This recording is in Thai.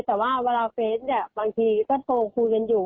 แต่ว่าเวลาเฟสบางทีก็โทรคู่กันอยู่